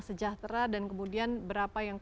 sejahtera dan kemudian berapa yang